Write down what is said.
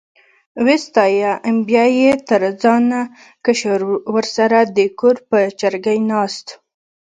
وې ستایه، بیا یې تر ځانه کشر ورسره د کور په چرګۍ ناست.